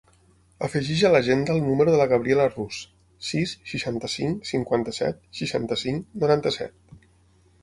Afegeix a l'agenda el número de la Gabriela Rus: sis, seixanta-cinc, cinquanta-set, seixanta-cinc, noranta-set.